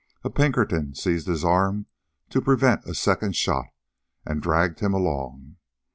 A Pinkerton seized his arm to prevent a second shot, and dragged him along.